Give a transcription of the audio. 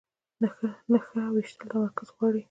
نښه ویشتل تمرکز غواړي